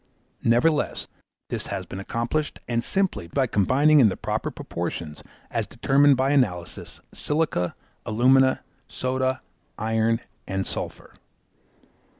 Nevertheless, this has been accomplished, and simply by combining in the proper proportions, as determined by analysis, silica, alumina, soda, iron, and sulphur.